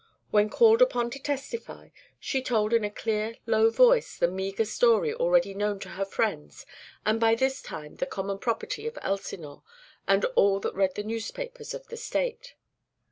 When called upon to testify, she told in a clear low voice the meagre story already known to her friends and by this time the common property of Elsinore and all that read the newspapers of the State.